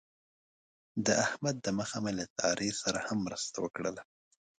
د احمد د مخه مې له سارې سره هم مرسته وکړله.